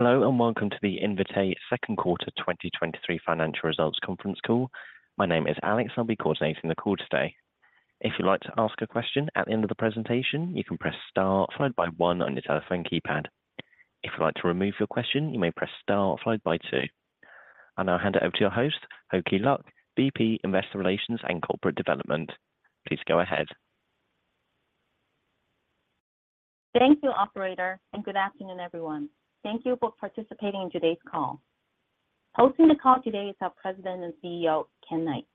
Hello, and welcome to the Invitae Second Quarter 2023 Financial Results Conference Call. My name is Alex, and I'll be coordinating the call today. If you'd like to ask a question at the end of the presentation, you can press star followed by one on your telephone keypad. If you'd like to remove your question, you may press star followed by two. I'll now hand it over to your host, Hoki Luk, VP of Investor Relations and Corporate Development. Please go ahead. Thank you, operator, and good afternoon, everyone. Thank you for participating in today's call. Hosting the call today is our President and CEO, Ken Knight.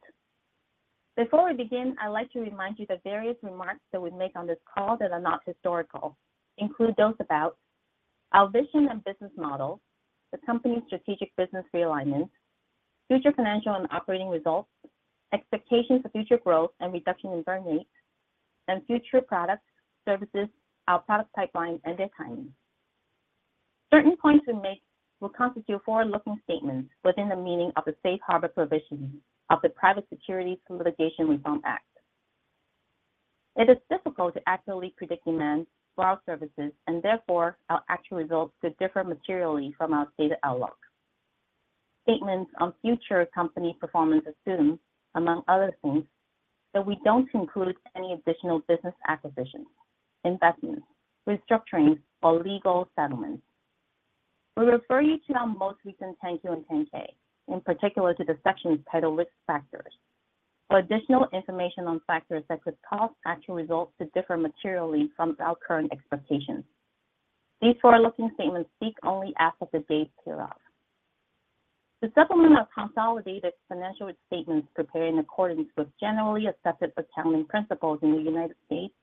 Before we begin, I'd like to remind you that various remarks that we make on this call that are not historical include those about our vision and business model, the company's strategic business realignment, future financial and operating results, expectations for future growth and reduction in burn rates, and future products, services, our product pipeline, and their timing. Certain points we make will constitute forward-looking statements within the meaning of the safe harbor provision of the Private Securities Litigation Reform Act. It is difficult to accurately predict demand for our services, and therefore, our actual results could differ materially from our stated outlook. Statements on future company performance assume, among other things, that we don't conclude any additional business acquisitions, investments, restructuring, or legal settlements. We refer you to our most recent 10-Q and 10-K, in particular to the section titled Risk Factors, for additional information on factors that could cause actual results to differ materially from our current expectations. These forward-looking statements speak only as of the date hereof. The supplement of consolidated financial statements prepared in accordance with generally accepted accounting principles in the United States,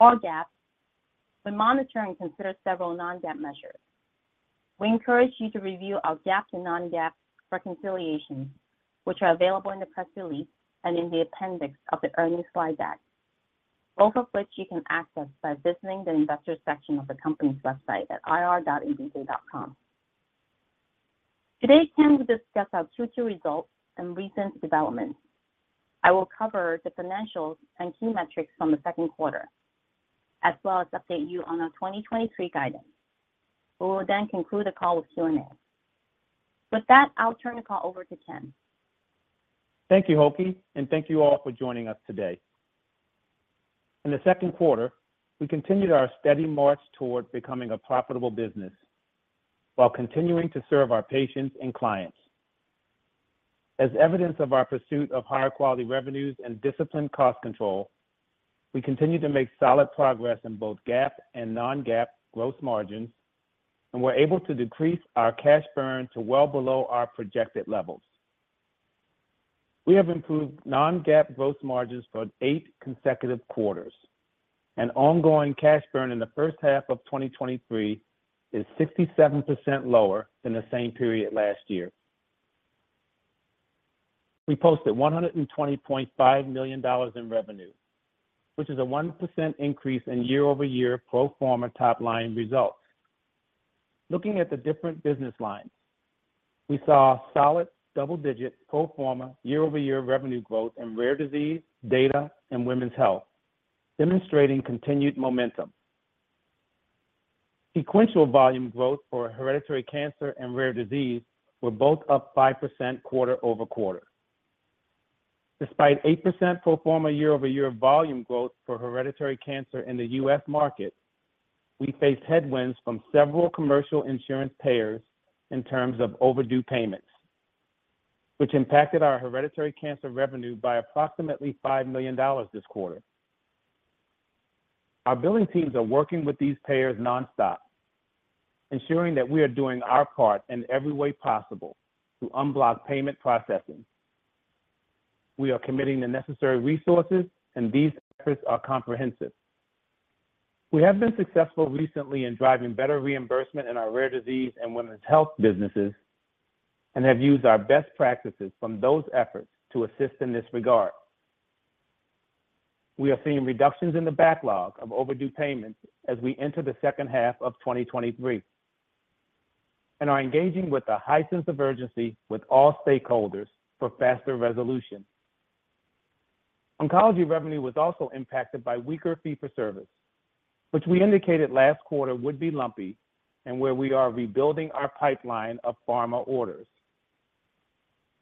or GAAP, we monitor and consider several non-GAAP measures. We encourage you to review our GAAP and non-GAAP reconciliations, which are available in the press release and in the appendix of the earnings slide deck, both of which you can access by visiting the Investors section of the company's website at ir.invitae.com. Today, Ken will discuss our Q2 results and recent developments. I will cover the financials and key metrics from the second quarter, as well as update you on our 2023 guidance. We will then conclude the call with Q&A. With that, I'll turn the call over to Ken. Thank you, Hoki, and thank you all for joining us today. In the second quarter, we continued our steady march toward becoming a profitable business while continuing to serve our patients and clients. As evidence of our pursuit of higher quality revenues and disciplined cost control, we continued to make solid progress in both GAAP and non-GAAP gross margins, and were able to decrease our cash burn to well below our projected levels. We have improved non-GAAP gross margins for eight consecutive quarters, and ongoing cash burn in the first half of 2023 is 67% lower than the same period last year. We posted $120.5 million in revenue, which is a 1% increase in year-over-year pro forma top-line results. Looking at the different business lines, we saw solid double-digit pro forma year-over-year revenue growth in Rare Disease, data, and women's health, demonstrating continued momentum. Sequential volume growth for Hereditary Cancer and Rare Disease were both up 5% quarter-over-quarter. Despite 8% pro forma year-over-year volume growth for Hereditary Cancer in the U.S. market, we faced headwinds from several commercial insurance payers in terms of overdue payments, which impacted our Hereditary Cancer revenue by approximately $5 million this quarter. Our billing teams are working with these payers nonstop, ensuring that we are doing our part in every way possible to unblock payment processing. We are committing the necessary resources, and these efforts are comprehensive. We have been successful recently in driving better reimbursement in our Rare Disease and women's health businesses and have used our best practices from those efforts to assist in this regard. We are seeing reductions in the backlog of overdue payments as we enter the second half of 2023 and are engaging with a heightened sense of urgency with all stakeholders for faster resolution. Oncology revenue was also impacted by weaker fee for service, which we indicated last quarter would be lumpy and where we are rebuilding our pipeline of pharma orders.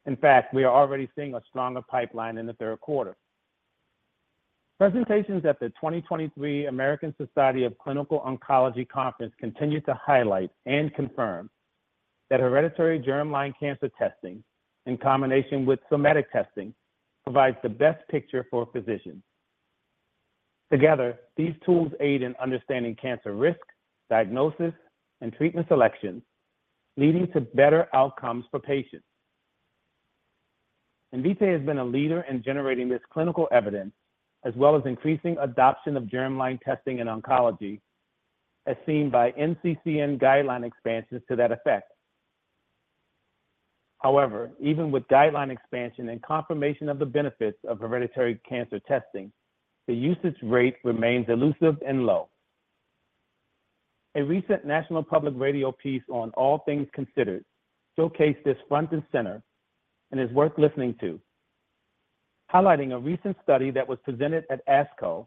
In fact, we are already seeing a stronger pipeline in the third quarter. Presentations at the 2023 American Society of Clinical Oncology Conference continued to highlight and confirm that hereditary germline cancer testing, in combination with somatic testing, provides the best picture for physicians. Together, these tools aid in understanding cancer risk, diagnosis, and treatment selection, leading to better outcomes for patients. Invitae has been a leader in generating this clinical evidence, as well as increasing adoption of germline testing in oncology, as seen by NCCN guideline expansions to that effect. However, even with guideline expansion and confirmation of the benefits of hereditary cancer testing, the usage rate remains elusive and low. A recent National Public Radio piece on All Things Considered showcased this front and center and is worth listening to.... highlighting a recent study that was presented at ASCO,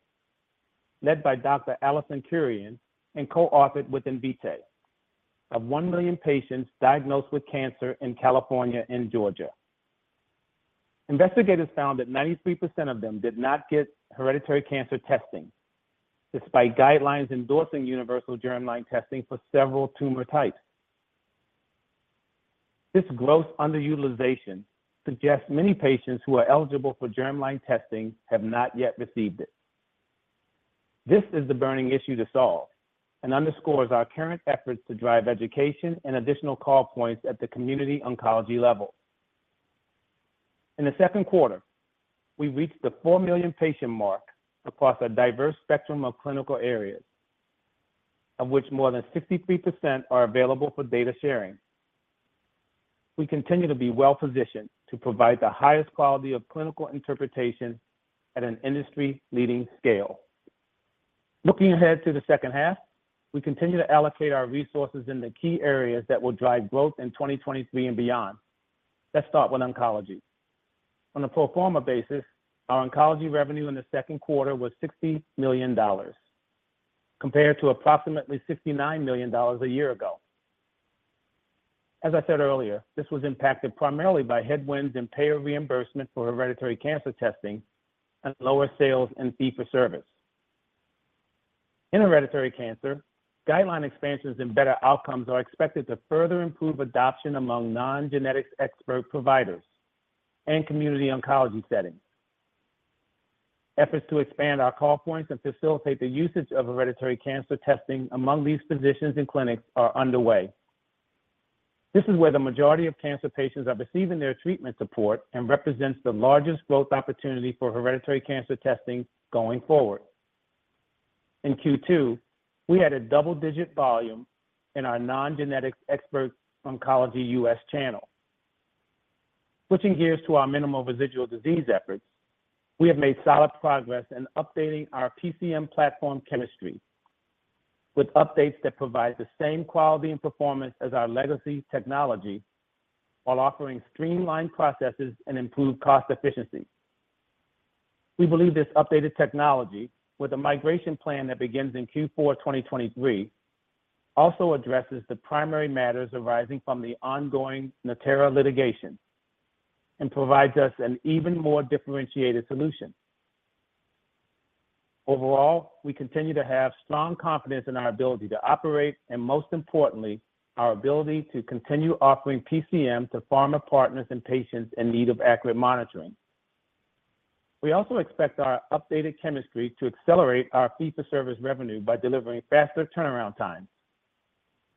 led by Dr. Allison Kurian, and co-authored with Invitae, of 1 million patients diagnosed with cancer in California and Georgia. Investigators found that 93% of them did not get hereditary cancer testing, despite guidelines endorsing universal germline testing for several tumor types. This growth underutilization suggests many patients who are eligible for germline testing have not yet received it. This is the burning issue to solve and underscores our current efforts to drive education and additional call points at the community oncology level. In the second quarter, we reached the 4 million patient mark across a diverse spectrum of clinical areas, of which more than 63% are available for data sharing. We continue to be well-positioned to provide the highest quality of clinical interpretation at an industry-leading scale. Looking ahead to the second half, we continue to allocate our resources in the key areas that will drive growth in 2023 and beyond. Let's start with oncology. On a pro forma basis, our oncology revenue in the second quarter was $60 million, compared to approximately $59 million a year ago. As I said earlier, this was impacted primarily by headwinds in payer reimbursement for Hereditary Cancer testing and lower sales in fee-for-service. In Hereditary Cancer, guideline expansions and better outcomes are expected to further improve adoption among non-genetic expert providers and community oncology settings. Efforts to expand our call points and facilitate the usage of Hereditary Cancer testing among these physicians and clinics are underway. This is where the majority of cancer patients are receiving their treatment support and represents the largest growth opportunity for Hereditary Cancer testing going forward. In Q2, we had a double-digit volume in our non-genetic expert oncology U.S. channel. Switching gears to our minimal residual disease efforts, we have made solid progress in updating our PCM platform chemistry with updates that provide the same quality and performance as our legacy technology, while offering streamlined processes and improved cost efficiency. We believe this updated technology, with a migration plan that begins in Q4 2023, also addresses the primary matters arising from the ongoing Natera litigation and provides us an even more differentiated solution. Overall, we continue to have strong confidence in our ability to operate, and most importantly, our ability to continue offering PCM to pharma partners and patients in need of accurate monitoring. We also expect our updated chemistry to accelerate our fee-for-service revenue by delivering faster turnaround times,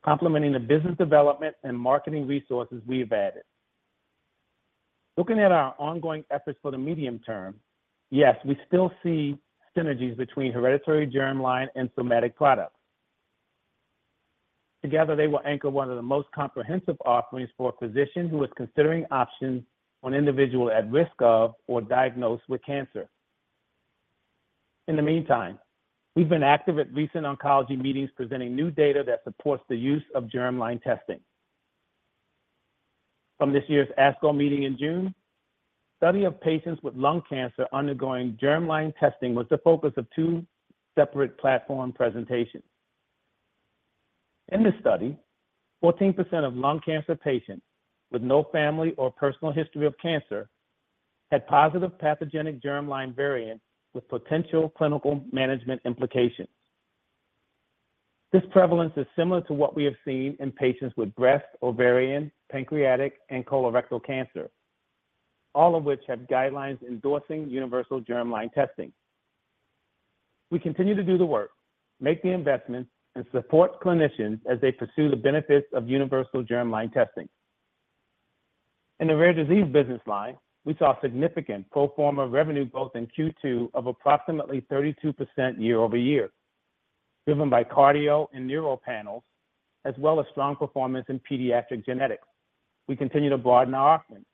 complementing the business development and marketing resources we've added. Looking at our ongoing efforts for the medium term, yes, we still see synergies between hereditary germline and somatic products. Together, they will anchor one of the most comprehensive offerings for a physician who is considering options on individual at risk of or diagnosed with cancer. In the meantime, we've been active at recent oncology meetings, presenting new data that supports the use of germline testing. From this year's ASCO meeting in June, study of patients with lung cancer undergoing germline testing was the focus of two separate platform presentations. In this study, 14% of lung cancer patients with no family or personal history of cancer had positive pathogenic germline variants with potential clinical management implications. This prevalence is similar to what we have seen in patients with breast, ovarian, pancreatic, and colorectal cancer, all of which have guidelines endorsing universal germline testing. We continue to do the work, make the investments, and support clinicians as they pursue the benefits of universal germline testing. In the Rare Disease business line, we saw significant pro forma revenue growth in Q2 of approximately 32% year-over-year, driven by cardio and neuro panels, as well as strong performance in pediatric genetics. We continue to broaden our offerings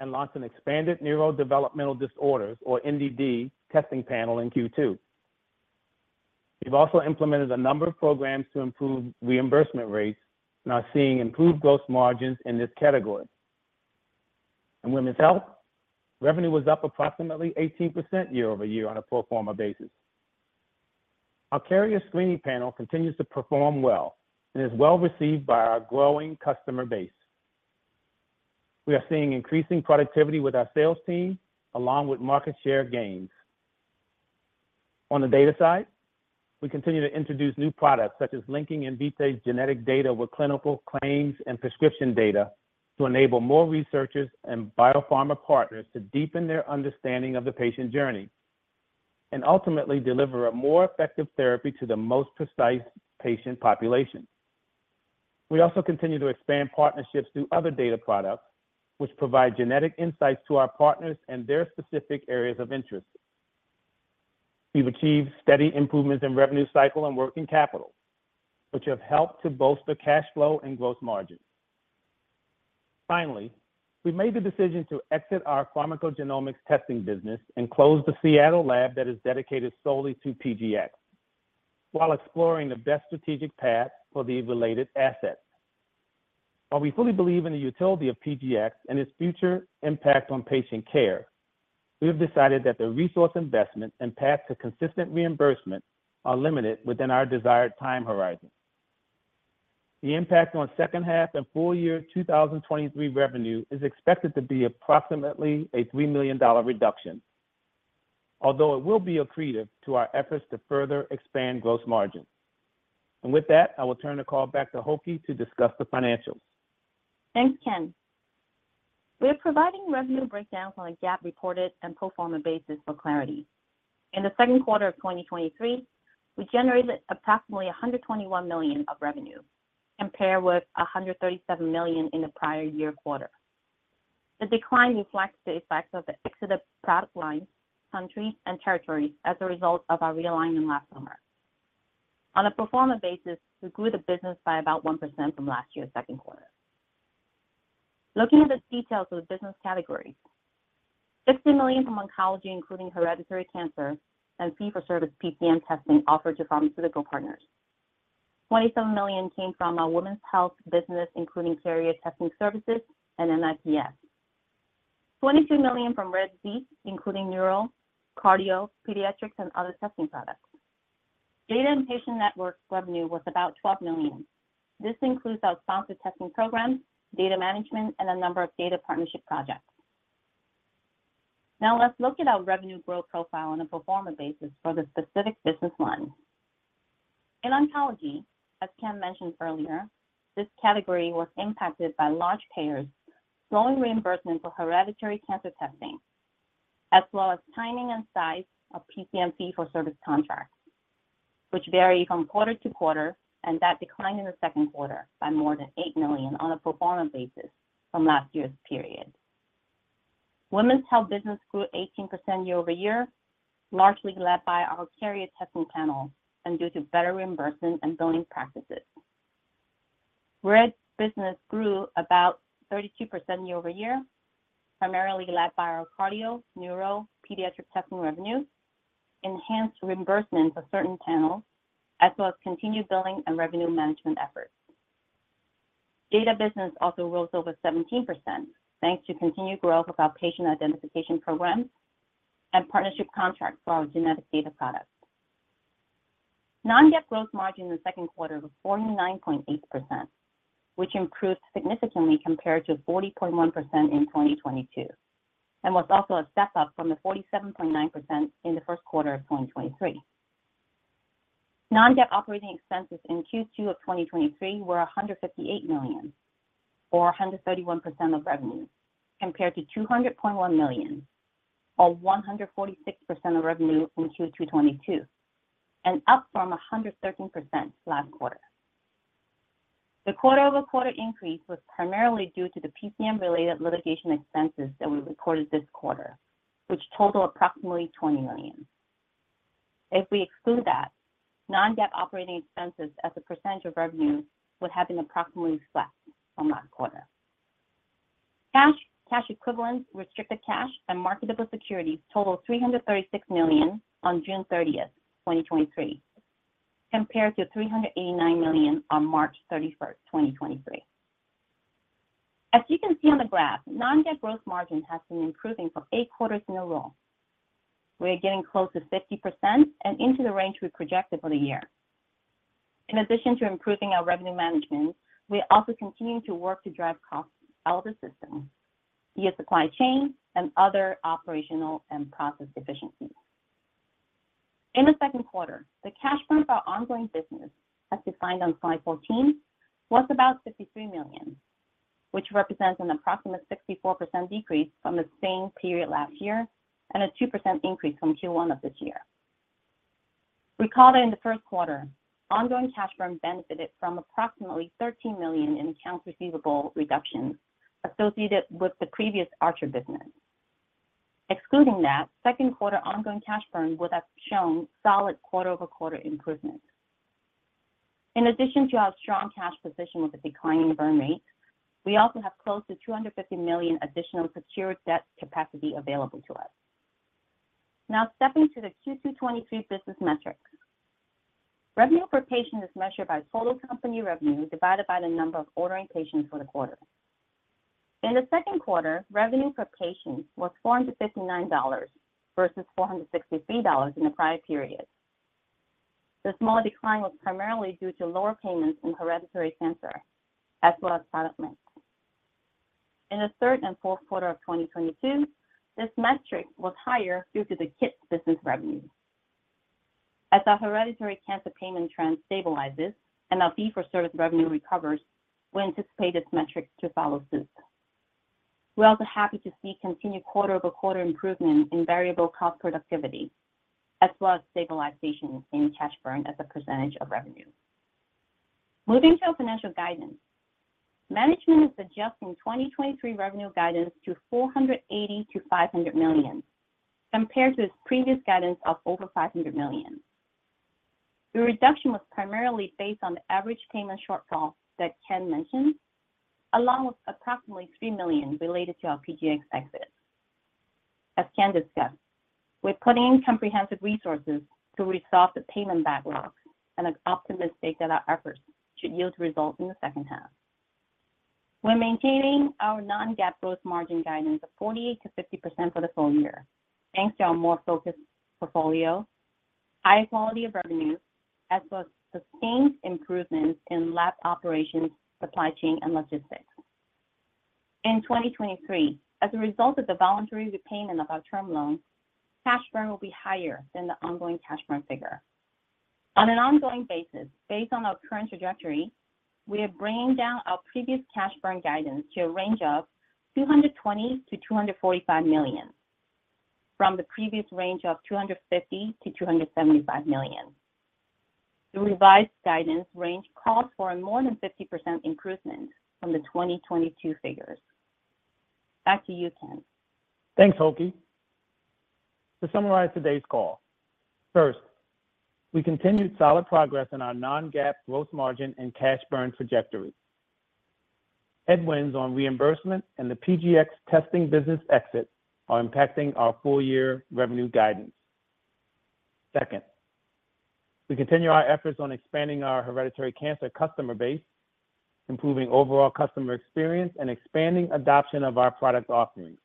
and launched an expanded neurodevelopmental disorders, or NDD, testing panel in Q2. We've also implemented a number of programs to improve reimbursement rates and are seeing improved gross margins in this category. In women's health, revenue was up approximately 18% year-over-year on a pro forma basis. Our carrier screening panel continues to perform well and is well-received by our growing customer base. We are seeing increasing productivity with our sales team, along with market share gains. On the data side, we continue to introduce new products, such as linking Invitae's genetic data with clinical claims and prescription data, to enable more researchers and biopharma partners to deepen their understanding of the patient journey and ultimately deliver a more effective therapy to the most precise patient population. We also continue to expand partnerships through other data products, which provide genetic insights to our partners and their specific areas of interest. We've achieved steady improvements in revenue cycle and working capital, which have helped to bolster cash flow and gross margin. Finally, we made the decision to exit our pharmacogenomics testing business and close the Seattle lab that is dedicated solely to PGX, while exploring the best strategic path for the related assets. While we fully believe in the utility of PGX and its future impact on patient care, we have decided that the resource investment and path to consistent reimbursement are limited within our desired time horizon. The impact on second half and full year 2023 revenue is expected to be approximately a $3 million reduction, although it will be accretive to our efforts to further expand gross margin. With that, I will turn the call back to Hoki to discuss the financials. Thanks, Ken. We are providing revenue breakdowns on a GAAP reported and pro forma basis for clarity. In the second quarter of 2023, we generated approximately $121 million of revenue, compared with $137 million in the prior year quarter. The decline reflects the effects of the exited product lines, countries, and territories as a result of our realignment last summer. On a pro forma basis, we grew the business by about 1% from last year's second quarter. Looking at the details of the business categories, $60 million from oncology, including Hereditary Cancer and fee-for-service PCM testing offered to pharmaceutical partners. $27 million came from our women's health business, including carrier testing services and NIPS. $22 million from Rare Disease, including neural, cardio, pediatrics, and other testing products. Data and patient network revenue was about $12 million. This includes our sponsored testing program, data management, and a number of data partnership projects. Now, let's look at our revenue growth profile on a pro forma basis for the specific business lines. In oncology, as Ken mentioned earlier, this category was impacted by large payers, slowing reimbursement for Hereditary Cancer testing, as well as timing and size of PCM fee-for-service contracts, which vary from quarter to quarter, and that declined in the second quarter by more than $8 million on a pro forma basis from last year's period. Women's health business grew 18% year-over-year, largely led by our carrier testing panel and due to better reimbursement and billing practices. Rare Disease business grew about 32% year-over-year, primarily led by our cardio, neuro, pediatric testing revenues, enhanced reimbursement for certain panels, as well as continued billing and revenue management efforts. Data business also rose over 17%, thanks to continued growth of our patient identification programs and partnership contracts for our genetic data products. Non-GAAP gross margin in the second quarter was 49.8%, which improved significantly compared to 40.1% in 2022, and was also a step up from the 47.9% in the first quarter of 2023. Non-GAAP operating expenses in Q2 2023 were $158 million or 131% of revenue, compared to $200.1 million or 146% of revenue from Q2 2022, and up from 113% last quarter. The quarter-over-quarter increase was primarily due to the PCM-related litigation expenses that we recorded this quarter, which total approximately $20 million. If we exclude that, non-GAAP operating expenses as a percentage of revenue would have been approximately flat from last quarter. Cash, cash equivalents, restricted cash, and marketable securities totaled $336 million on June 30, 2023, compared to $389 million on March 31, 2023. As you can see on the graph, non-GAAP gross margin has been improving for eight quarters in a row. We are getting close to 50% and into the range we projected for the year. In addition to improving our revenue management, we are also continuing to work to drive costs out of the system via supply chain and other operational and process efficiencies. In the second quarter, the cash from our ongoing business, as defined on slide 14, was about $53 million, which represents an approximate 64% decrease from the same period last year and a 2% increase from Q1 of this year. Recall that in the first quarter, ongoing cash burn benefited from approximately $13 million in accounts receivable reductions associated with the previous Archer business. Excluding that, second quarter ongoing cash burn would have shown solid quarter-over-quarter improvement. In addition to our strong cash position with a declining burn rate, we also have close to $250 million additional secured debt capacity available to us. Stepping to the Q2 2023 business metrics. Revenue per patient is measured by total company revenue divided by the number of ordering patients for the quarter. In the second quarter, revenue per patient was $459 versus $463 in the prior period. The small decline was primarily due to lower payments in Hereditary Cancer, as well as product mix. In the third and fourth quarter of 2022, this metric was higher due to the kit business revenue. As our Hereditary Cancer payment trend stabilizes and our fee-for-service revenue recovers, we anticipate this metric to follow suit. We are also happy to see continued quarter-over-quarter improvement in variable cost productivity, as well as stabilization in cash burn as a percentage of revenue. Moving to our financial guidance. Management is adjusting 2023 revenue guidance to $480 million to $500 million, compared to its previous guidance of over $500 million. The reduction was primarily based on the average payment shortfall that Ken mentioned, along with approximately $3 million related to our PGX exit. As Ken discussed, we're putting comprehensive resources to resolve the payment backlog, and I'm optimistic that our efforts should yield results in the second half. We're maintaining our non-GAAP gross margin guidance of 48%-50% for the full year, thanks to our more focused portfolio, high quality of revenue, as well as sustained improvements in lab operations, supply chain, and logistics. In 2023, as a result of the voluntary repayment of our term loan, cash burn will be higher than the ongoing cash burn figure. On an ongoing basis, based on our current trajectory, we are bringing down our previous cash burn guidance to a range of $220 million-$245 million, from the previous range of $250 million-$275 million. The revised guidance range calls for a more than 50% improvement from the 2022 figures. Back to you, Ken. Thanks, Hoki. To summarize today's call, first, we continued solid progress in our non-GAAP gross margin and cash burn trajectory. Headwinds on reimbursement and the PGX testing business exit are impacting our full year revenue guidance. Second, we continue our efforts on expanding our Hereditary Cancer customer base, improving overall customer experience, and expanding adoption of our product offerings.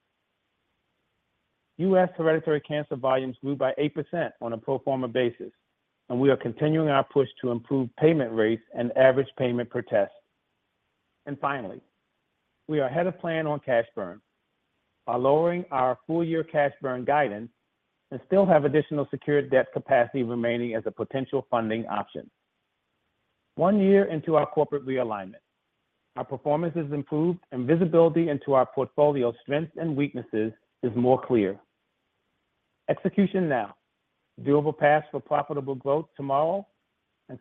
U.S. Hereditary Cancer volumes grew by 8% on a pro forma basis, and we are continuing our push to improve payment rates and average payment per test. Finally, we are ahead of plan on cash burn by lowering our full year cash burn guidance and still have additional secured debt capacity remaining as a potential funding option. One year into our corporate realignment, our performance has improved, and visibility into our portfolio's strengths and weaknesses is more clear. Execution now, doable paths for profitable growth tomorrow,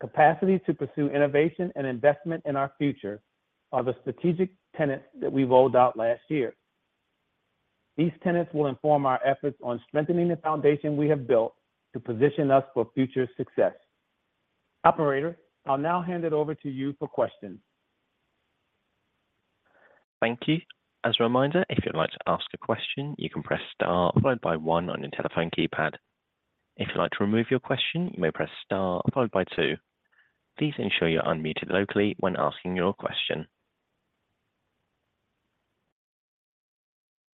capacity to pursue innovation and investment in our future are the strategic tenets that we rolled out last year. These tenets will inform our efforts on strengthening the foundation we have built to position us for future success. Operator, I'll now hand it over to you for questions. Thank you. As a reminder, if you'd like to ask a question, you can press star followed by one on your telephone keypad. If you'd like to remove your question, you may press star followed by two. Please ensure you're unmuted locally when asking your question.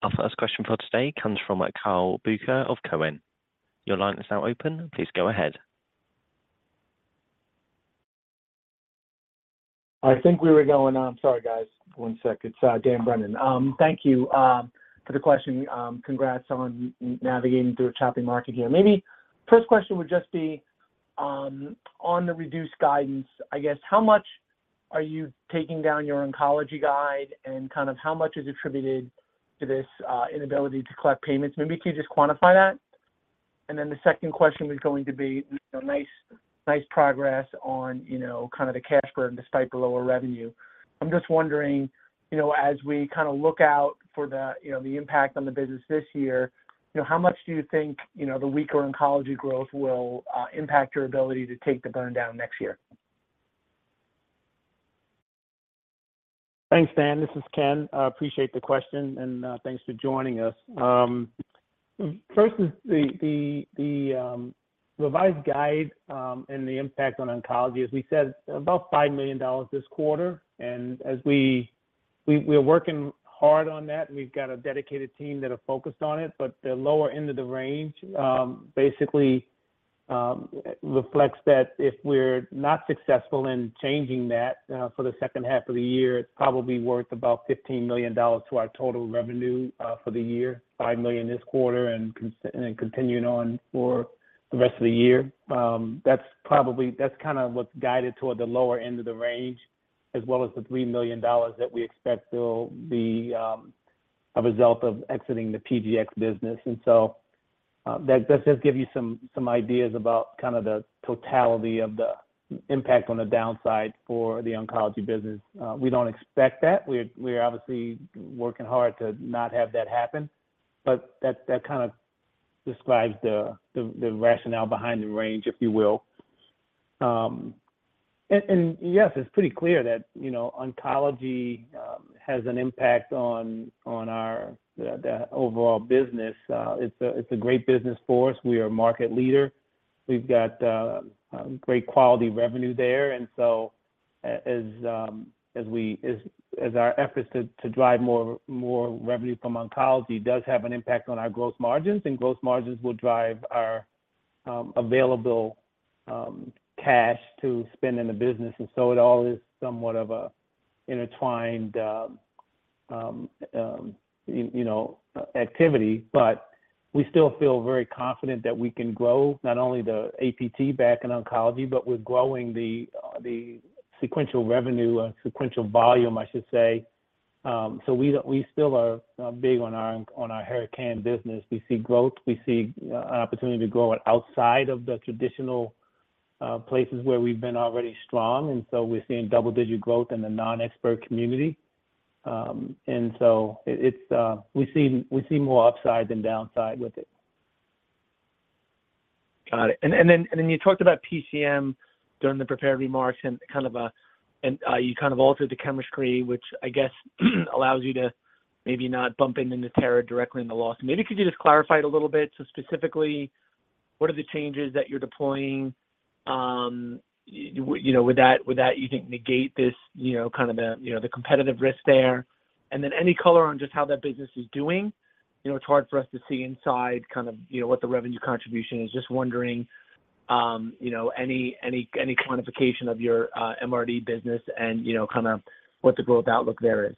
Our first question for today comes from Carl Bucher of Cowen. Your line is now open. Please go ahead. I'm sorry, guys. 1 sec. It's Dan Brennan. Thank you for the question. Congrats on navigating through a choppy market here. Maybe first question would just be on the reduced guidance, I guess, how much are you taking down your oncology guide, and kind of how much is attributed to this inability to collect payments? Maybe can you just quantify that? The second question was going to be, nice, nice progress on, you know, kind of the cash burn, despite the lower revenue. I'm just wondering, you know, as we kinda look out for the, you know, the impact on the business this year, you know, how much do you think, you know, the weaker oncology growth will impact your ability to take the burn down next year? Thanks, Dan. This is Ken. I appreciate the question, and thanks for joining us. First is the revised guide, and the impact on oncology, as we said, about $5 million this quarter, and as we're working hard on that. We've got a dedicated team that are focused on it, but the lower end of the range basically reflects that if we're not successful in changing that for the second half of the year, it's probably worth about $15 million to our total revenue for the year, $5 million this quarter, and continuing on for the rest of the year. That's kinda what's guided toward the lower end of the range, as well as the $3 million that we expect will be a result of exiting the PGX business. That does just give you some, some ideas about kind of the totality of the impact on the downside for the oncology business. We don't expect that. We're, we're obviously working hard to not have that happen, but that, that kind of describes the, the, the rationale behind the range, if you will. Yes, it's pretty clear that, you know, oncology has an impact on, on our, the, the overall business. It's a, it's a great business for us. We are a market leader. We've got great quality revenue there, as our efforts to, to drive more, more revenue from oncology does have an impact on our gross margins, and gross margins will drive our available cash to spend in the business. It all is somewhat of a intertwined, you know, activity, but we still feel very confident that we can grow not only the APT back in oncology, but we're growing the sequential revenue, sequential volume, I should say. We, we still are big on our Hera-Can business. We see growth, we see opportunity to grow it outside of the traditional places where we've been already strong, we're seeing double-digit growth in the nonexpert community. It, it's, we see, we see more upside than downside with it.... Got it. Then, and then you talked about PCM during the prepared remarks and kind of, and, you kind of altered the chemistry, which I guess allows you to maybe not bumping into Natera directly in the loss. Maybe could you just clarify it a little bit? Specifically, what are the changes that you're deploying, you know, with that, with that you think negate this, you know, kind of the, you know, the competitive risk there? Then any color on just how that business is doing? You know, it's hard for us to see inside kind of, you know, what the revenue contribution is. Just wondering, you know, any, any, any quantification of your MRD business and, you know, kind of what the growth outlook there is?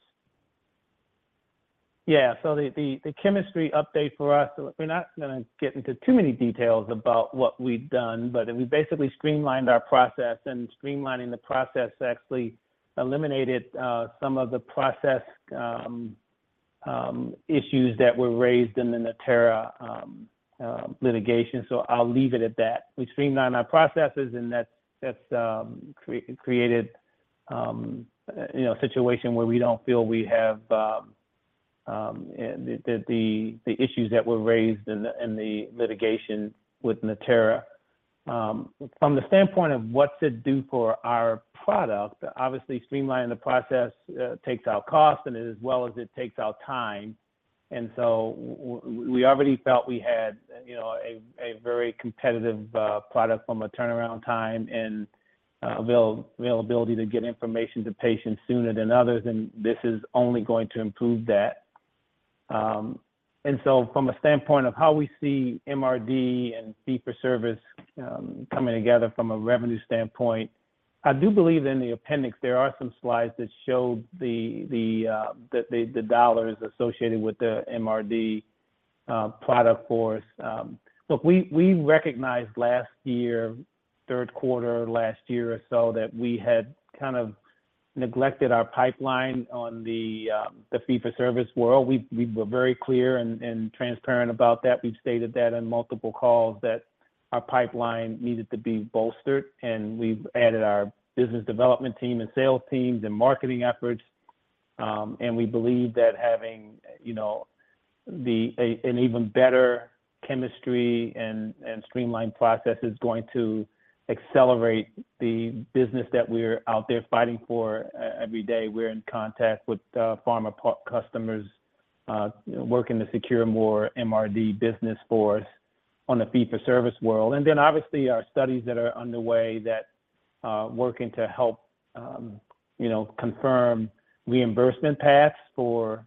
Yeah. The, the, the chemistry update for us, we're not gonna get into too many details about what we've done, but we basically streamlined our process, and streamlining the process actually eliminated some of the process issues that were raised in the Natera litigation. I'll leave it at that. We streamlined our processes, and that's, that's created, you know, a situation where we don't feel we have the issues that were raised in the litigation with Natera. From the standpoint of what's it do for our product, obviously, streamlining the process takes out cost and as well as it takes out time. So we already felt we had, you know, a very competitive product from a turnaround time and availability to get information to patients sooner than others, and this is only going to improve that. So from a standpoint of how we see MRD and fee-for-service coming together from a revenue standpoint, I do believe in the appendix there are some slides that show the the the dollars associated with the MRD product for us. Look, we recognized last year, third quarter, last year or so, that we had kind of neglected our pipeline on the fee-for-service world. We were very clear and transparent about that. We've stated that in multiple calls, that our pipeline needed to be bolstered, and we've added our business development team and sales teams and marketing efforts. And we believe that having, you know, an even better chemistry and streamlined process is going to accelerate the business that we're out there fighting for every day. We're in contact with pharma customers, working to secure more MRD business for us on the fee-for-service world. Obviously, our studies that are underway that, working to help, you know, confirm reimbursement paths for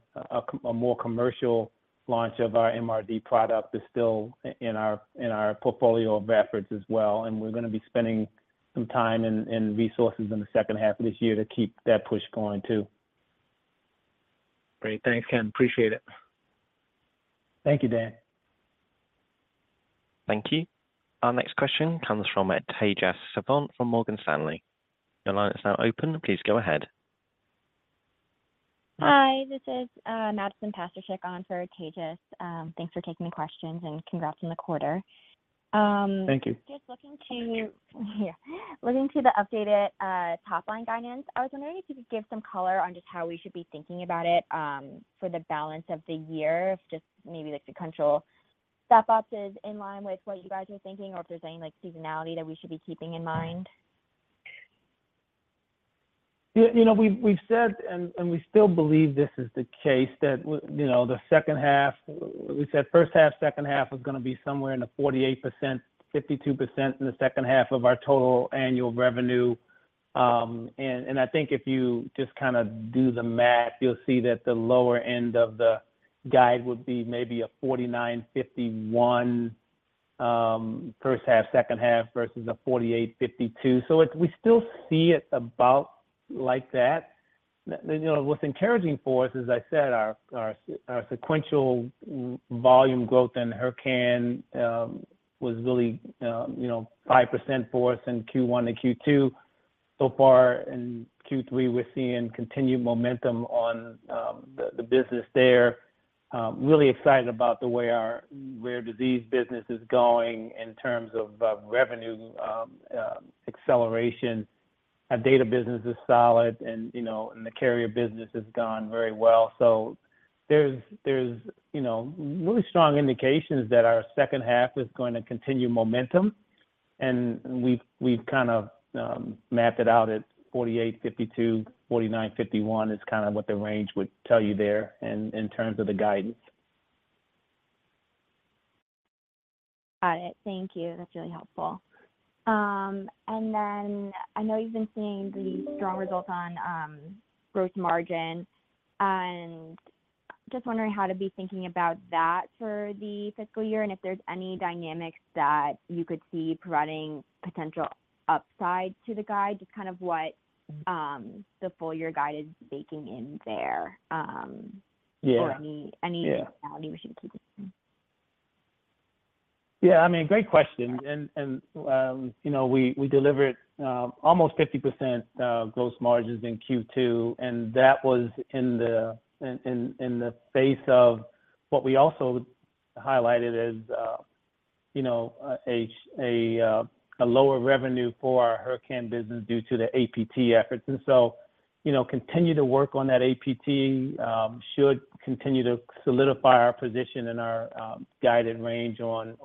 a more commercial launch of our MRD product is still in our portfolio of efforts as well, and we're gonna be spending some time and resources in the second half of this year to keep that push going, too. Great. Thanks, Ken. Appreciate it. Thank you, Dan. Thank you. Our next question comes from Tejas Savant from Morgan Stanley. Your line is now open. Please go ahead. Hi, this is Madison Pasterchick for Tejas. Thanks for taking the questions, congrats on the quarter. Thank you. Just looking. Thank you. Yeah. Looking to the updated top-line guidance, I was wondering if you could give some color on just how we should be thinking about it for the balance of the year. If just maybe like the sequential step-up is in line with what you guys are thinking, or if there's any, like, seasonality that we should be keeping in mind? Yeah, you know, we've, we've said, and we still believe this is the case, that you know, the second half, we said first half, second half is gonna be somewhere in the 48%, 52% in the second half of our total annual revenue. And I think if you just kinda do the math, you'll see that the lower end of the guide would be maybe a 49%, 51%, first half, second half versus a 48%, 52%. We still see it about like that. You know, what's encouraging for us, as I said, our sequential volume growth in Hurcan was really, you know, 5% for us in Q1 and Q2. So far in Q3, we're seeing continued momentum on the business there. Really excited about the way our Rare Disease business is going in terms of revenue acceleration. Our data business is solid and, you know, and the carrier business has gone very well. There's, there's, you know, really strong indications that our second half is going to continue momentum, and we've, we've kind of mapped it out at 48, 52, 49, 51 is kind of what the range would tell you there in terms of the guidance. Got it. Thank you. That's really helpful. Then I know you've been seeing the strong results on gross margin, and just wondering how to be thinking about that for the fiscal year, and if there's any dynamics that you could see providing potential upside to the guide, just kind of what the full year guide is baking in there? Yeah... or any, any. Yeah -value we should keep in mind? Yeah, I mean, great question. You know, we delivered almost 50% gross margins in Q2, and that was in the face of what we also highlighted as, you know, a lower revenue for our Hurcan business due to the APT efforts. You know, continue to work on that APT should continue to solidify our position and our guided range on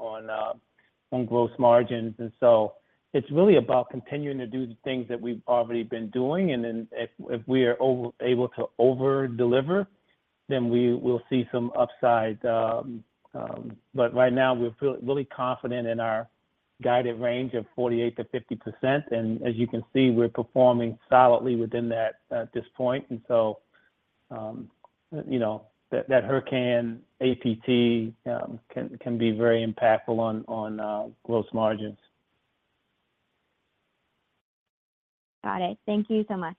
gross margins. It's really about continuing to do the things that we've already been doing, and then if we are able to over-deliver, then we will see some upside. Right now, we feel really confident in our guided range of 48%-50%, and as you can see, we're performing solidly within that at this point. You know, that, that Hurcan APT can be very impactful on, on gross margins. Got it. Thank you so much.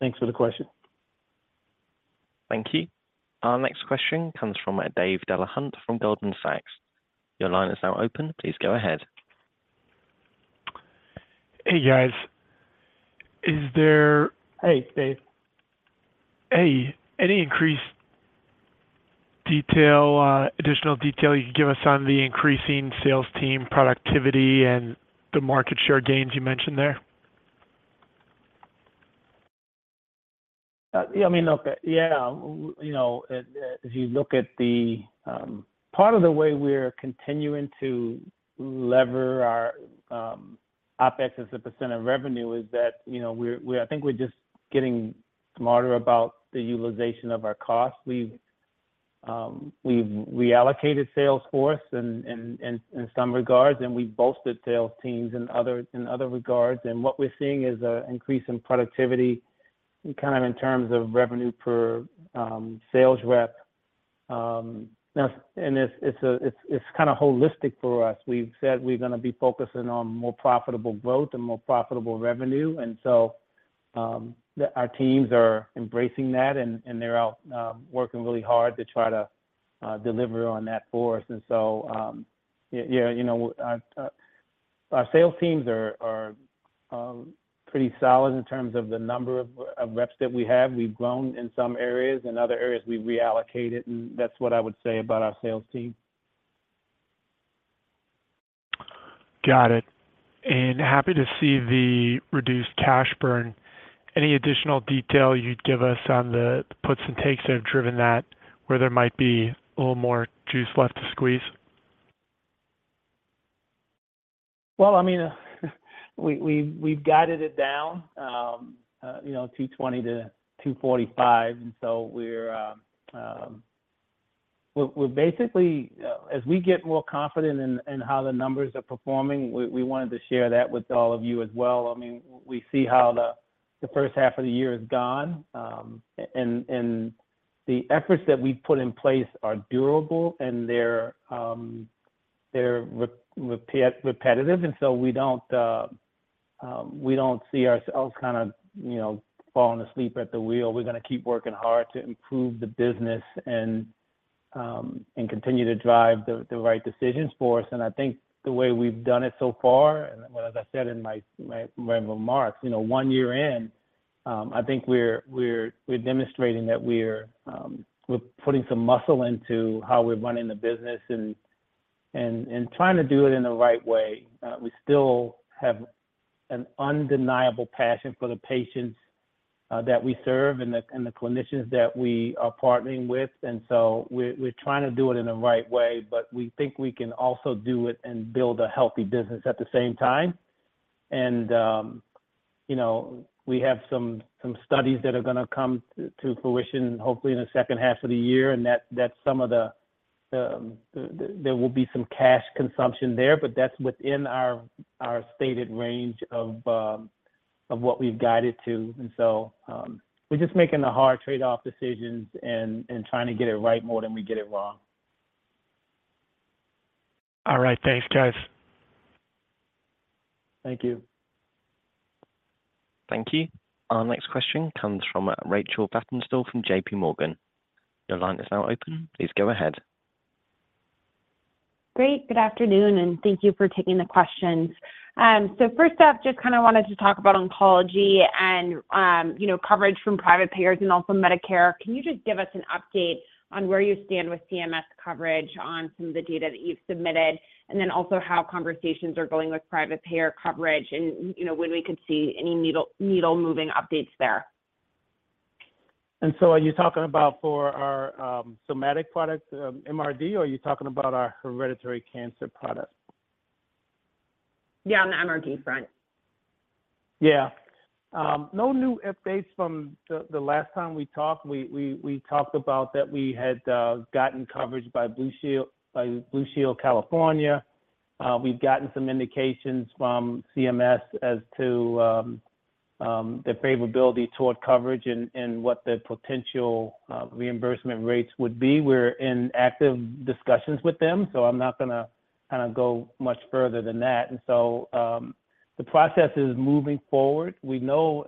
Thanks for the question. Thank you. Our next question comes from Dave Delahunt from Goldman Sachs. Your line is now open. Please go ahead. Hey, guys. Is there- Hey, Dave. Hey, any increased detail, additional detail you can give us on the increasing sales team productivity and the market share gains you mentioned there? Yeah, I mean, look, yeah, you know, as, as you look at the, part of the way we're continuing to lever our OpEx as a % of revenue is that, you know, we're, I think we're just getting smarter about the utilization of our costs. We've, we've reallocated sales force in, in, in, in some regards, and we've boasted sales teams in other, in other regards, and what we're seeing is a increase in productivity, kind of in terms of revenue per sales rep. Now, it's, it's a, it's, it's kinda holistic for us. We've said we're gonna be focusing on more profitable growth and more profitable revenue, so our teams are embracing that, and they're out working really hard to try to deliver on that for us. Yeah, you know, our sales teams are, are, pretty solid in terms of the number of, of reps that we have. We've grown in some areas, in other areas, we've reallocated, and that's what I would say about our sales team. Got it. Happy to see the reduced cash burn. Any additional detail you'd give us on the puts and takes that have driven that, where there might be a little more juice left to squeeze? Well, I mean, we, we, we've guided it down, you know, 220-245, and so we're, we're basically, as we get more confident in, in how the numbers are performing, we, we wanted to share that with all of you as well. I mean, we see how the, the first half of the year is gone, and, and the efforts that we've put in place are durable, and they're repetitive, and so we don't, we don't see ourselves kinda, you know, falling asleep at the wheel. We're gonna keep working hard to improve the business and, and continue to drive the, the right decisions for us. I think the way we've done it so far, and as I said in my, my, my remarks, you know, one year in, I think we're, we're, we're demonstrating that we're, we're putting some muscle into how we're running the business and, and, and trying to do it in the right way. We still have an undeniable passion for the patients that we serve and the, and the clinicians that we are partnering with, and so we're, we're trying to do it in the right way, but we think we can also do it and build a healthy business at the same time. You know, we have some, some studies that are gonna come to, to fruition, hopefully in the second half of the year, and that, that's some of the, there will be some cash consumption there, but that's within our, our stated range of, of what we've guided to. So, we're just making the hard trade-off decisions and, and trying to get it right more than we get it wrong. All right. Thanks, guys. Thank you. Thank you. Our next question comes from Rachel Vatnsdal from JPMorgan. Your line is now open. Please go ahead. Great, good afternoon. Thank you for taking the questions. First up, just kinda wanted to talk about oncology and, you know, coverage from private payers and also Medicare. Can you just give us an update on where you stand with CMS coverage on some of the data that you've submitted, and then also how conversations are going with private payer coverage and, you know, when we could see any needle-moving updates there? Are you talking about for our somatic products, MRD, or are you talking about our Hereditary Cancer products? Yeah, on the MRD front. Yeah. No new updates from the last time we talked. We talked about that we had gotten coverage by Blue Shield of California. We've gotten some indications from CMS as to the favorability toward coverage and what the potential reimbursement rates would be. We're in active discussions with them, I'm not gonna kinda go much further than that. The process is moving forward. We know,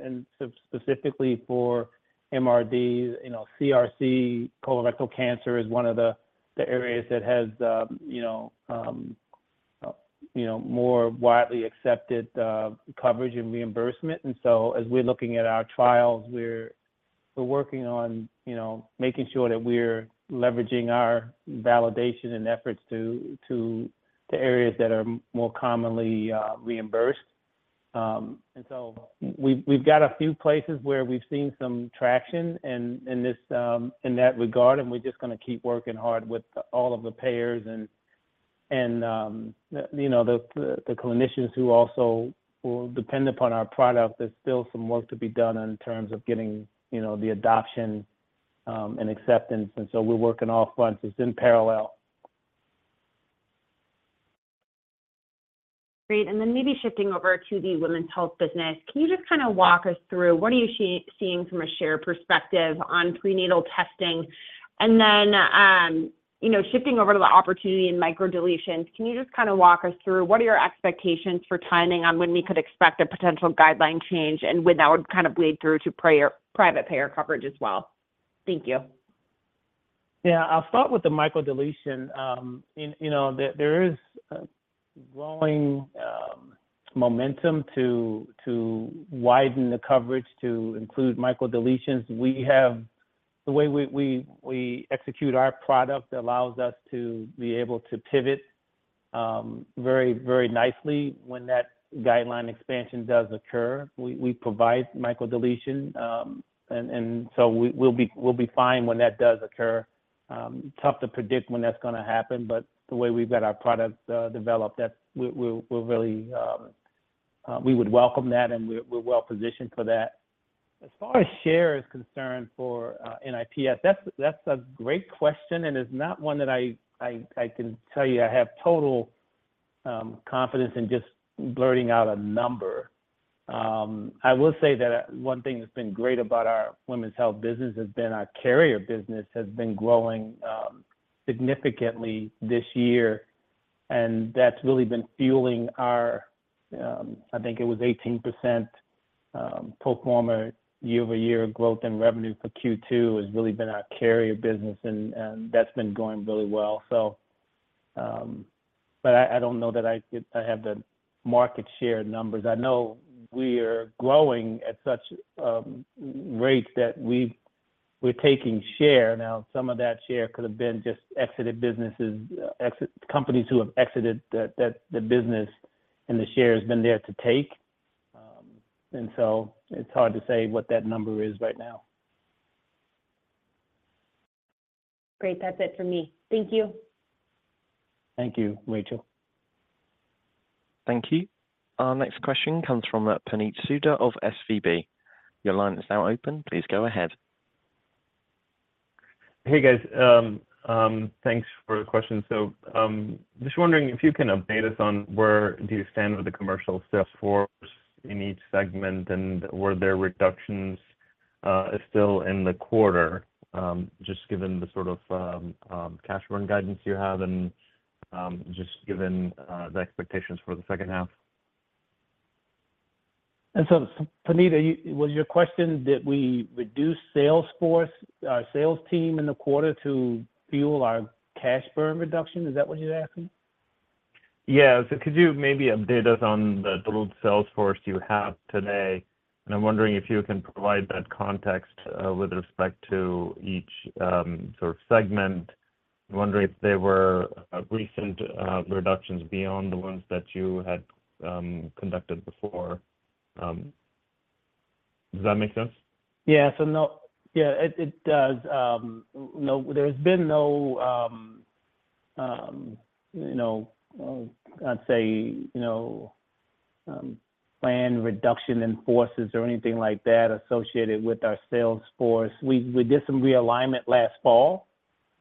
specifically for MRD, you know, CRC, colorectal cancer is one of the areas that has, you know, more widely accepted coverage and reimbursement. As we're looking at our trials, we're working on, you know, making sure that we're leveraging our validation and efforts to areas that are more commonly reimbursed. We've, we've got a few places where we've seen some traction in, in this, in that regard, and we're just gonna keep working hard with all of the payers and, and, you know, the, the, the clinicians who also will depend upon our product. There's still some work to be done in terms of getting, you know, the adoption, and acceptance, and so we're working all fronts. It's in parallel. Great. Maybe shifting over to the women's health business, can you just kind of walk us through what are you seeing from a share perspective on prenatal testing? You know, shifting over to the opportunity in microdeletions, can you just kind of walk us through what are your expectations for timing on when we could expect a potential guideline change and when that would kind of bleed through to private payer coverage as well? Thank you. Yeah, I'll start with the microdeletion. You know, there, there is a growing momentum to widen the coverage to include microdeletions. The way we, we, we execute our product allows us to be able to pivot very, very nicely when that guideline expansion does occur. We, we provide microdeletion, and so we'll be, we'll be fine when that does occur. Tough to predict when that's gonna happen, but the way we've got our product developed, we're, we're, we're really, we would welcome that, and we're, we're well positioned for that. As far as share is concerned for NIPS, that's, that's a great question, and it's not one that I, I, I can tell you I have total confidence in just blurting out a number. I will say that one thing that's been great about our women's health business has been our carrier business has been growing significantly this year, and that's really been fueling our, I think it was 18% pro forma year-over-year growth in revenue for Q2, has really been our carrier business, and that's been going really well. But I, I don't know that I could, I have the market share numbers. I know we are growing at such rates that we're taking share. Now, some of that share could have been just exited businesses, companies who have exited the business, and the share has been there to take. It's hard to say what that number is right now. Great. That's it for me. Thank you. Thank you, Rachel. Thank you. Our next question comes from Puneet Souda of SVB. Your line is now open. Please go ahead. Hey, guys. Thanks for the question. Just wondering if you can update us on where do you stand with the commercial sales force in each segment, and were there reductions still in the quarter, just given the sort of cash burn guidance you have, and just given the expectations for the second half? Puneet, was your question, did we reduce sales force, our sales team in the quarter to fuel our cash burn reduction? Is that what you're asking? Yeah. Could you maybe update us on the total sales force you have today? I'm wondering if you can provide that context with respect to each sort of segment. I'm wondering if there were recent reductions beyond the ones that you had conducted before. Does that make sense? Yeah. Yeah, it, it does. No, there's been no, you know, I'd say, you know, plan reduction in forces or anything like that associated with our sales force. We, we did some realignment last fall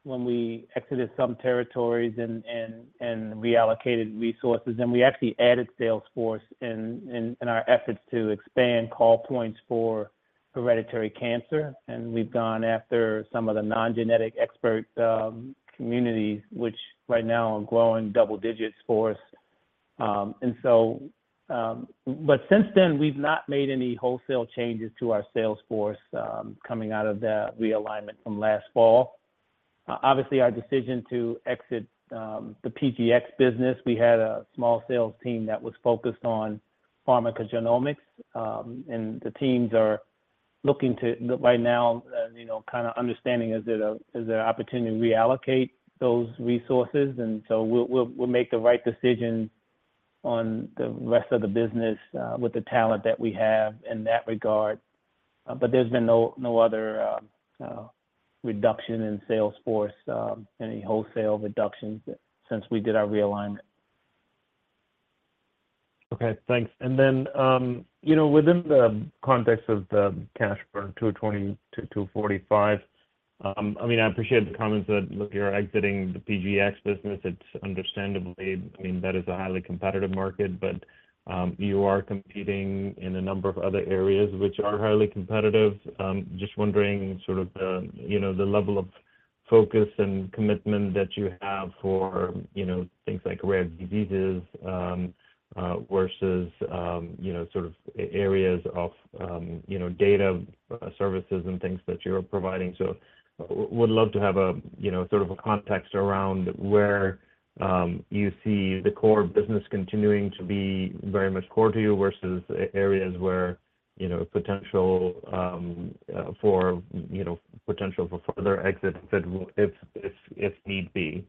when we exited some territories and, and, and reallocated resources, we actually added sales force in, in, in our efforts to expand call points for Hereditary Cancer. We've gone after some of the non-genetic expert, community, which right now are growing double digits for us. Since then, we've not made any wholesale changes to our sales force, coming out of the realignment from last fall. Obviously, our decision to exit the PGX business, we had a small sales team that was focused on pharmacogenomics, and the teams are looking to, right now, you know, understanding, is there an opportunity to reallocate those resources? We'll, we'll, we'll make the right decisions on the rest of the business, with the talent that we have in that regard. There's been no, no other reduction in sales force, any wholesale reductions since we did our realignment. Okay, thanks. You know, within the context of the cash burn, $220 million-$245 million, I mean, I appreciate the comments that, look, you're exiting the PGX business. It's understandably, I mean, that is a highly competitive market, but you are competing in a number of other areas which are highly competitive. Just wondering sort of the, you know, the level of focus and commitment that you have for, you know, things like rare diseases versus, you know, sort of areas of, you know, data, services and things that you're providing. Would love to have a, you know, sort of a context around where you see the core business continuing to be very much core to you, versus areas where, you know, potential for, you know, potential for further exits that will, if need be?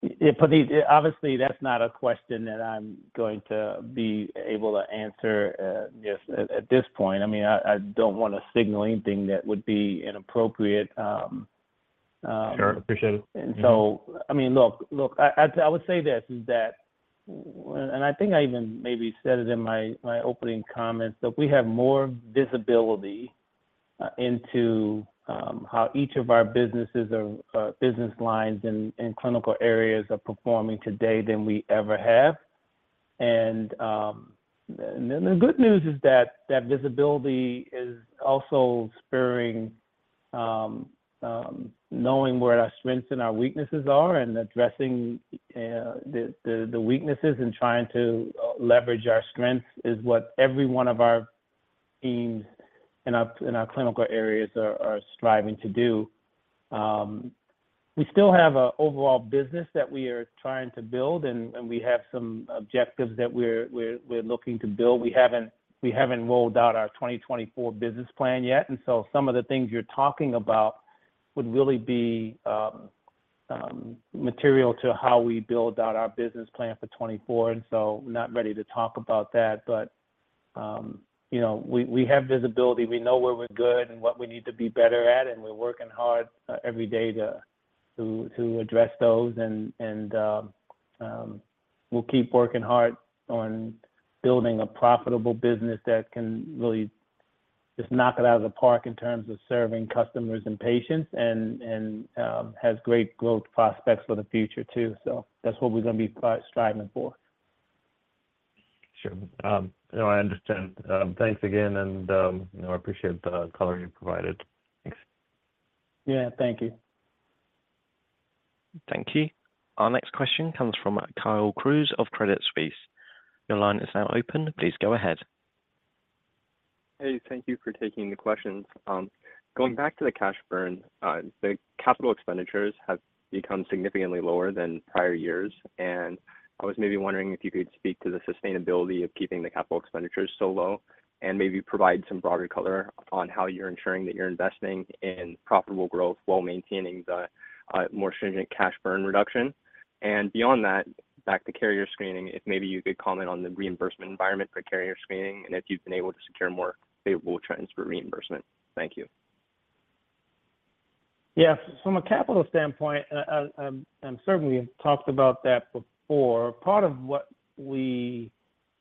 Yeah, but these, obviously, that's not a question that I'm going to be able to answer, just at, at this point. I mean, I, I don't wanna signal anything that would be inappropriate. Sure, appreciate it. I mean, look, look, I would say this, is that, and I think I even maybe said it in my, my opening comments, that we have more visibility into how each of our businesses or, or business lines in, in clinical areas are performing today than we ever have. The good news is that that visibility is also spurring knowing where our strengths and our weaknesses are, and addressing the weaknesses and trying to leverage our strengths is what every one of our teams in our, in our clinical areas are, are striving to do. We still have a overall business that we are trying to build, and, and we have some objectives that we're, we're, we're looking to build. We haven't, we haven't rolled out our 2024 business plan yet, some of the things you're talking about would really be material to how we build out our business plan for 2024, not ready to talk about that. You know, we, we have visibility. We know where we're good and what we need to be better at, we're working hard every day to address those. We'll keep working hard on building a profitable business that can really just knock it out of the park in terms of serving customers and patients has great growth prospects for the future too. That's what we're gonna be striving for. Sure. No, I understand. Thanks again, and, you know, I appreciate the color you provided. Thanks. Yeah, thank you. Thank you. Our next question comes from Kyle Mikson of Credit Suisse. Your line is now open, please go ahead. Hey, thank you for taking the questions. Going back to the cash burn, the capital expenditures have become significantly lower than prior years, and I was maybe wondering if you could speak to the sustainability of keeping the capital expenditures so low, and maybe provide some broader color on how you're ensuring that you're investing in profitable growth while maintaining the more stringent cash burn reduction. Beyond that, back to carrier screening, if maybe you could comment on the reimbursement environment for carrier screening and if you've been able to secure more favorable trends for reimbursement. Thank you. Yeah. From a capital standpoint, and certainly talked about that before, part of what we,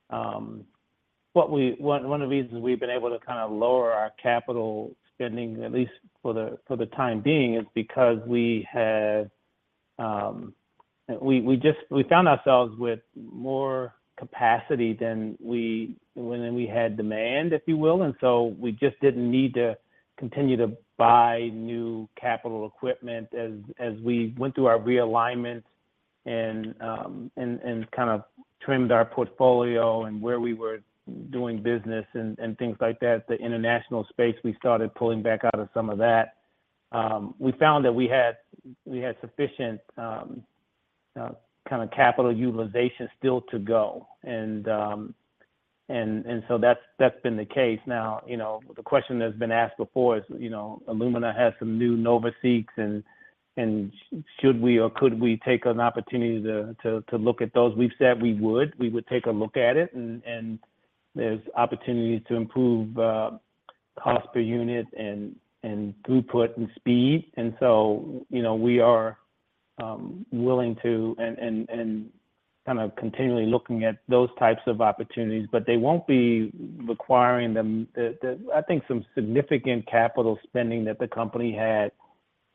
one, one of the reasons we've been able to kind of lower our capital spending, at least for the, for the time being, is because we had, we, we found ourselves with more capacity than we had demand, if you will. And so we just didn't need to continue to buy new capital equipment. As, as we went through our realignment and, and kind of trimmed our portfolio and where we were doing business and, and things like that, the international space, we started pulling back out of some of that. We found that we had, we had sufficient, kind of capital utilization still to go. And, and so that's, that's been the case. Now, you know, the question that's been asked before is, you know, Illumina has some new NovaSeq, and should we or could we take an opportunity to look at those? We've said we would. We would take a look at it, and there's opportunities to improve cost per unit and throughput and speed. So, you know, we are willing to and kind of continually looking at those types of opportunities, but they won't be requiring them, I think, some significant capital spending that the company had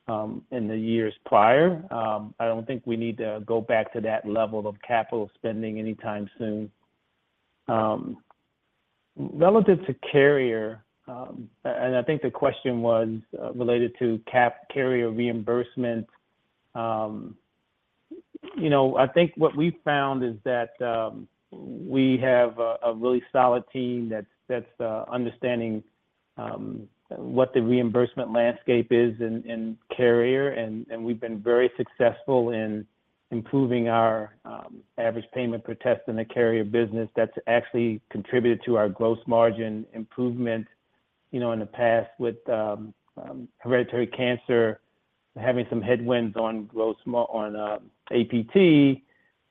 in the years prior. I don't think we need to go back to that level of capital spending anytime soon. Relative to carrier, and I think the question was related to cap carrier reimbursement. You know, I think what we found is that we have a really solid team that's, that's understanding what the reimbursement landscape is in carrier. We've been very successful in improving our average payment per test in the carrier business. That's actually contributed to our gross margin improvement, you know, in the past with Hereditary Cancer, having some headwinds on gross mar- on APT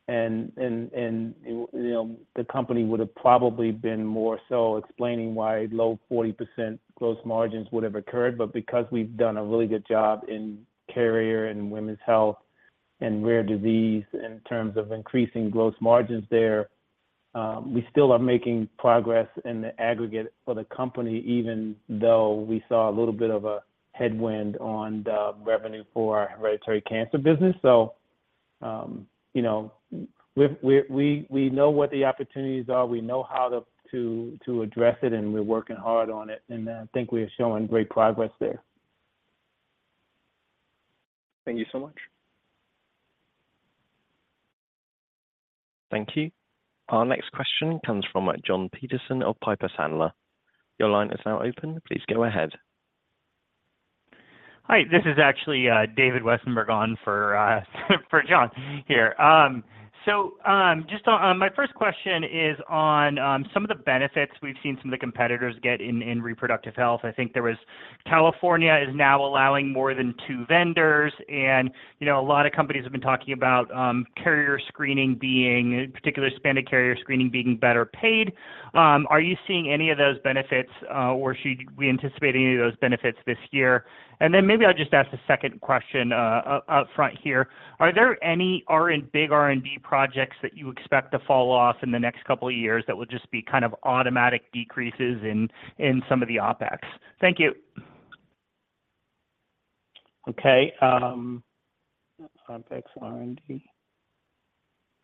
and, you know, the company would have probably been more so explaining why low 40% gross margins would have occurred. Because we've done a really good job in carrier and women's health and Rare Disease in terms of increasing gross margins there, we still are making progress in the aggregate for the company, even though we saw a little bit of a headwind on the revenue for our Hereditary Cancer business. You know, we know what the opportunities are, we know how to, to, to address it, and we're working hard on it, and I think we are showing great progress there. Thank you so much. Thank you. Our next question comes from John Peterson of Piper Sandler. Your line is now open, please go ahead. Hi, this is actually David Westenberg on for for John here. Just my first question is on some of the benefits we've seen some of the competitors get in, in reproductive health. I think there was California is now allowing more than two vendors, and, you know, a lot of companies have been talking about, carrier screening being, in particular, expanded carrier screening being better paid. Are you seeing any of those benefits, or should we anticipate any of those benefits this year? Maybe I'll just ask a second question up front here. Are there any big R&D projects that you expect to fall off in the next couple of years that will just be kind of automatic decreases in some of the OpEx? Thank you. Okay, OpEx, R&D.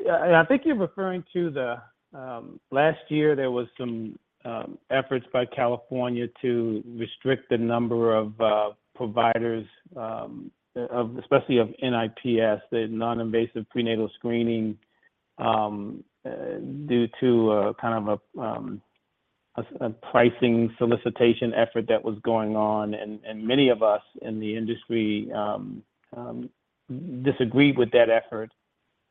Yeah, I think you're referring to the... Last year, there was some efforts by California to restrict the number of providers of, especially of NIPS, the non-invasive prenatal screening, due to a kind of a pricing solicitation effort that was going on. Many of us in the industry disagreed with that effort.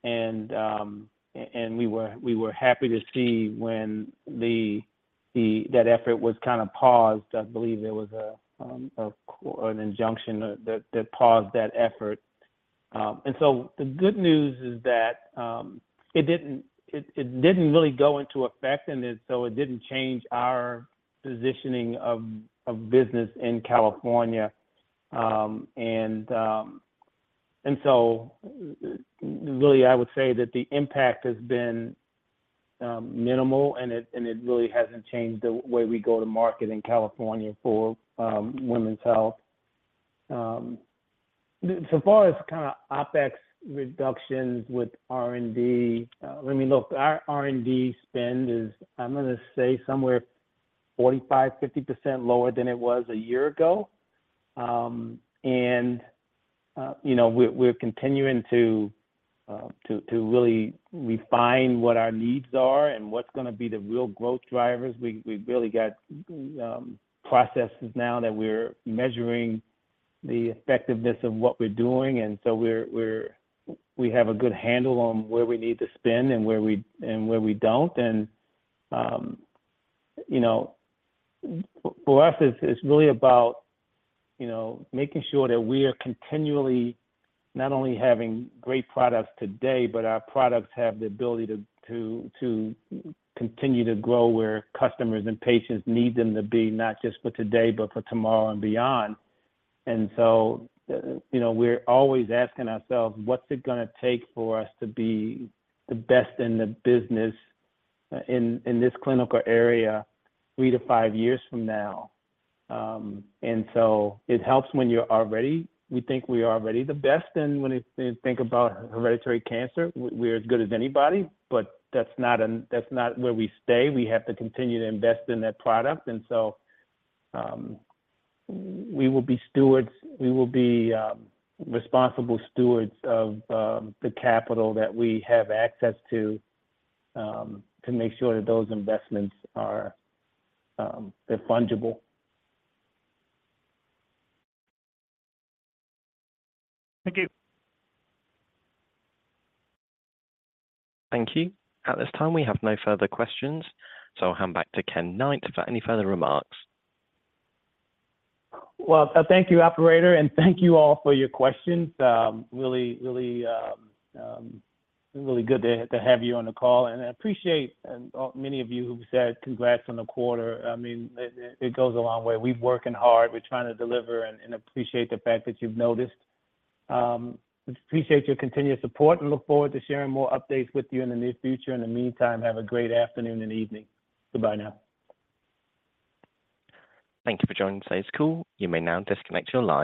We were happy to see when that effort was kind of paused. I believe there was an injunction that paused that effort. The good news is that it didn't really go into effect, and so it didn't change our positioning of business in California. Really, I would say that the impact has been minimal, and it really hasn't changed the way we go to market in California for women's health. So far as kind of OpEx reductions with R&D, I mean, look, our R&D spend is, I'm gonna say somewhere 45%, 50% lower than it was a year ago. You know, we're continuing to really refine what our needs are and what's gonna be the real growth drivers. We, we've really got processes now that we're measuring the effectiveness of what we're doing, and so we have a good handle on where we need to spend and where we, and where we don't. you know, for us, it's, it's really about, you know, making sure that we are continually not only having great products today, but our products have the ability to continue to grow where customers and patients need them to be, not just for today, but for tomorrow and beyond. you know, we're always asking ourselves, "What's it gonna take for us to be the best in the business, in this clinical area three-five years from now?" It helps when you're already... We think we are already the best, and when you think about Hereditary Cancer, we're as good as anybody, but that's not that's not where we stay. We have to continue to invest in that product, and so, we will be responsible stewards of, the capital that we have access to, to make sure that those investments are, they're fungible. Thank you. Thank you. At this time, we have no further questions. I'll hand back to Ken Knight for any further remarks. Well, thank you, operator. Thank you all for your questions. Really, really, really good to, to have you on the call. I appreciate many of you who've said congrats on the quarter. I mean, it, it goes a long way. We've working hard. We're trying to deliver and appreciate the fact that you've noticed. Appreciate your continued support. Look forward to sharing more updates with you in the near future. In the meantime, have a great afternoon and evening. Goodbye now. Thank you for joining today's call. You may now disconnect your line.